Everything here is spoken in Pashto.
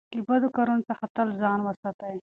له بدو کارونو څخه تل ځان وساتئ.